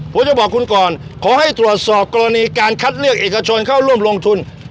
ผมจะบอกคุณก่อนขอให้ตรวจสอบกรณีการคัดเลือกเอกชนเข้าร่วมลงทุน